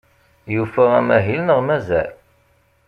Yufa amahil neɣ mazal?